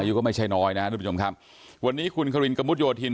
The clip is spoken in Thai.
อายุก็ไม่ใช่น้อยนะครับวันนี้คุณครินกมุธโยธิน